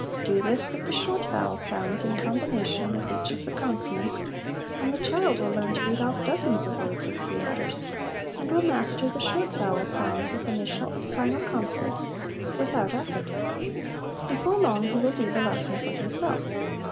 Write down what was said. Do this with the short vowel sounds in combination with each of the con sonants, and the child will learn to read off dozens of words of three letters, and will master the short vowel sounds with initial and final consonants without effort. Before long he will do the lesson for himself.